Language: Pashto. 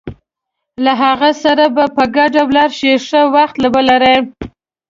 له هغه سره به په ګډه ولاړ شې، ښه وخت ولرئ.